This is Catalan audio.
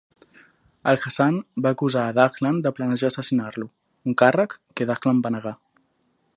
Al-Hassan va acusar a Dahlan de planejar assassinar-lo, un càrrec que Dahlan va negar.